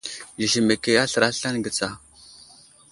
Zezemeke aslər aslane ge tsa.